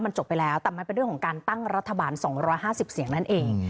จบไปแล้วแต่มันเป็นเรื่องของการตั้งรัฐบาล๒๕๐เสียงนั่นเอง